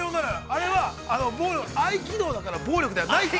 あれは合気道だから暴力ではないと。